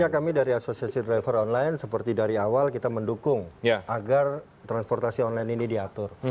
ya kami dari asosiasi driver online seperti dari awal kita mendukung agar transportasi online ini diatur